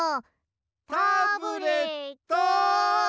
タブレットン！